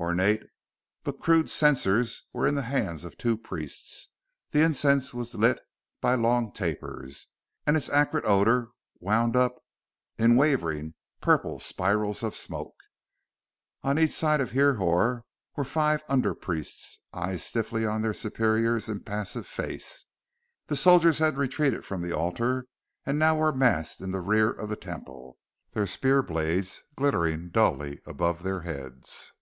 Ornate but crude censers were in the hands of two priests; the incense was lit by long tapers, and its acrid odor wound up in wavering purple spirals of smoke. On each side of Hrihor were five under priests, eyes stiffly on their superior's impassive face. The soldiers had retreated from the altar and now were massed in the rear of the Temple, their spear blades glittering dully above their heads.